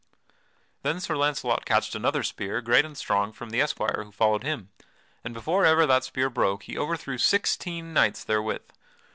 Then Sir Launcelot catched another spear, great and strong, from the esquire who followed him, and before ever that spear broke he overthrew sixteen knights therewith.